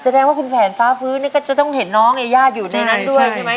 แสดงว่าคุณแผนฟ้าฟื้นเนี่ยก็จะต้องเห็นน้องอย่าอยู่ในนั้นด้วยใช่ไหม